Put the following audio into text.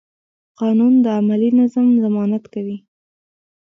قانون د عملي نظم ضمانت کوي.